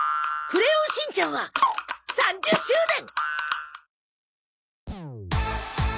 『クレヨンしんちゃん』は３０周年。